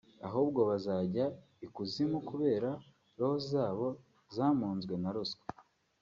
ahubwo bazajya ikuzimu kubera roho zabo zamunzwe na ruswa